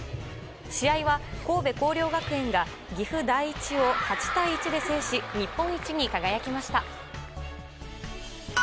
試合は神戸弘陵学園が岐阜第一を８対１で制し日本一に輝きました。